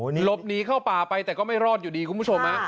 หลบหนีเข้าป่าไปแต่ก็ไม่รอดอยู่ดีคุณผู้ชม